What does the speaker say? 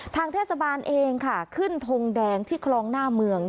ทางเทศบาลเองค่ะขึ้นทงแดงที่คลองหน้าเมือง